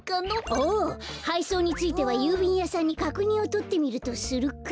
ああはいそうについてはゆうびんやさんにかくにんをとってみるとするか。